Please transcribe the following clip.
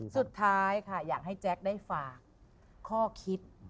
สุดท้ายค่ะอยากให้แจ๊คได้ฝากข้อคิด